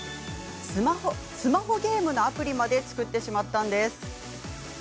スマホゲームのアプリまで作ってしまったんです。